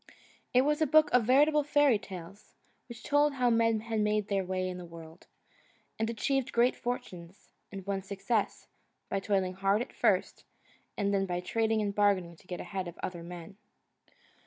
It was a book of veritable fairy tales, which told how men had made their way in the world, and achieved great fortunes, and won success, by toiling hard at first, and then by trading and bargaining and getting ahead of other men.